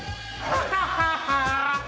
アハハハハ！